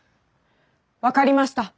分かりました。